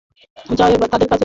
যাও, তাদের কাছেই যাও।